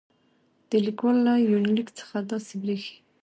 د ليکوال له يونليک څخه داسې برېښي